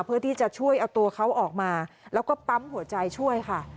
เพื่อที่จะช่วยเอาตัวเขาออกมาแล้วก็ปั๊มหัวใจช่วยค่ะ